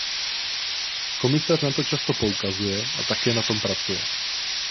Komisař na to často poukazuje a také na tom pracuje.